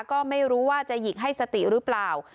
ก็ไม่รู้ว่าจะหยิกให้สติหรือเปล่า